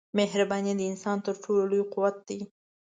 مهرباني د انسان تر ټولو لوی قوت دی.